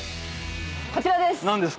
こちらです！